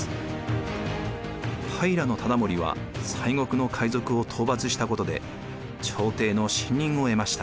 平忠盛は西国の海賊を討伐したことで朝廷の信任を得ました。